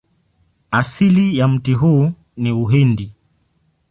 Asili ya mti huu ni Uhindi.